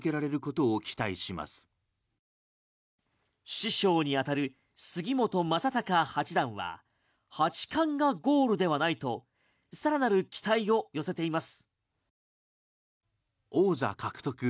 師匠に当たる杉本昌隆八段は八冠がゴールではないと更なる期待を寄せています。